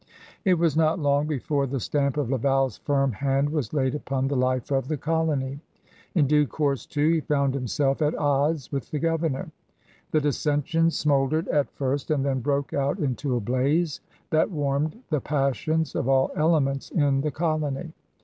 It was not long before the stamp of Laval's firm hand was laid upon the life of the colony. In due course, too, he found himself at odds with the governor. The dissensions smouldered at first, and then broke out into a blaze that warmed the passions of all elements in the colony.